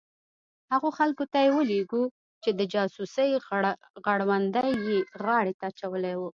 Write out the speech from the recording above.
هغو خلکو ته یې ولېږو چې د جاسوسۍ غړوندی یې غاړې ته اچولي وو.